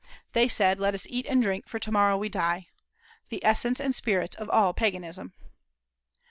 They said, "Let us eat and drink, for to morrow we die," the essence and spirit of all paganism.